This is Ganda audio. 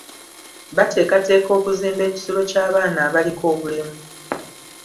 Bateekateeka okuzimba ekisulo ky'abaana abaliko obulemu.